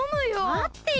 まってよ！